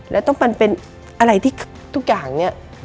แล้วต้องมันเป็นอะไรที่ทุกอย่างเนี่ย